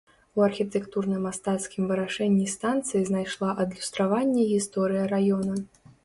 У архітэктурна-мастацкім вырашэнні станцыі знайшла адлюстраванне гісторыя раёна.